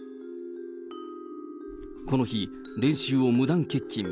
この日、練習を無断欠勤。